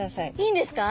いいんですか？